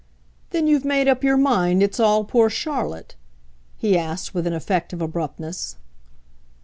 "Then you've made up your mind it's all poor Charlotte?" he asked with an effect of abruptness.